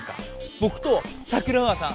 ぼくと桜川さん